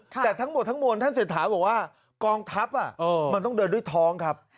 แต่ทั้งหมดทั้งมวลท่านเศรษฐาบอกว่ากองทัพมันต้องเดินด้วยท้องครับ